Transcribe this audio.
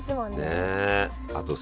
ねえ。